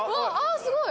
すごい！